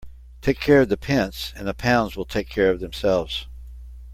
Take care of the pence and the pounds will take care of themselves.